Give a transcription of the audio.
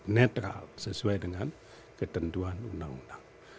netral sesuai dengan ketentuan undang undang